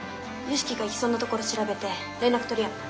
良樹が行きそうなところ調べて連絡取り合う。